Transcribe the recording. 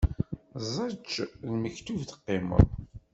Ẓečč lmektub teqqimeḍ!